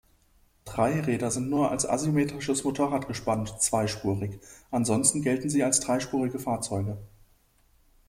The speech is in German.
Dreiräder sind nur als asymmetrisches Motorradgespann zweispurig, ansonsten gelten sie als dreispurige Fahrzeuge.